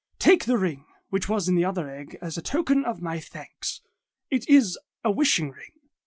Take the ring which was in the other egg as a token of my thanks. It is a wishing ring.